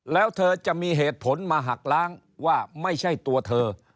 แล้วเธอจะมีเหตุผลมาหักล้างว่าไม่ใช่ตัวเธอ